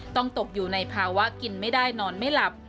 ตกอยู่ในภาวะกินไม่ได้นอนไม่หลับ